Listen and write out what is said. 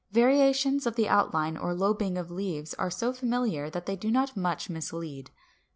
Variations of the outline or lobing of leaves are so familiar that they do not much mislead.